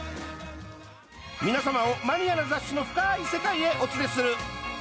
皆様をマニアな雑誌の深い世界へお連れする。